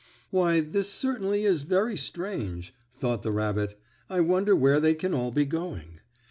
"Why, this certainly is very strange," thought the rabbit. "I wonder where they can all be going?